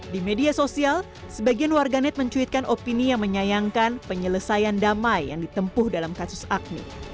di media sosial sebagian warganet mencuitkan opini yang menyayangkan penyelesaian damai yang ditempuh dalam kasus agni